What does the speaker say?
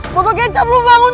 koto kecap lu bangun